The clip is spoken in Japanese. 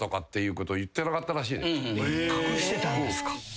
隠してたんですか！？